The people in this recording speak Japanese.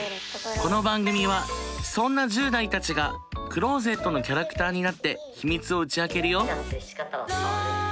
この番組はそんな１０代たちがクローゼットのキャラクターになって秘密を打ち明けるよ。